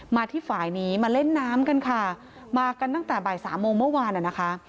ที่ฝ่ายนี้มาเล่นน้ำกันค่ะมากันตั้งแต่บ่ายสามโมงเมื่อวานอ่ะนะคะ